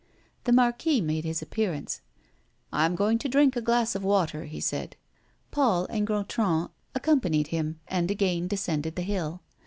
The Marquis made his appearance: "I am going to drink a glass of water," he said. Paul and Gontran accompanied him, and again descended the hill.